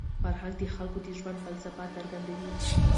فرهنګ د خلکو د ژوند فلسفه څرګندوي.